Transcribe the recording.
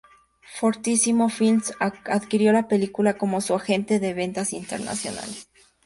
Fortissimo Films adquirió la película como su agente de ventas internacionales.